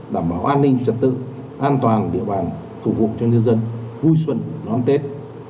đảm bảo an ninh trật tự an toàn địa bàn phục vụ cho nhân dân vui xuân đón tết